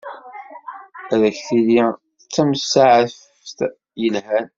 Ad ak-tili d tamsaɛeft yelhan.